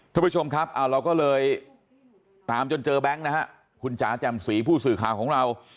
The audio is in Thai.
ทุกผู้ชมครับเราก็เลยตามจนเจอแบงค์นะฮะคุณจ๋าแจ่มสีผู้สื่อข่าวของเรา